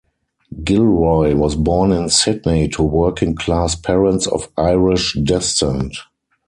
Gilroy was born in Sydney, to working-class parents of Irish descent.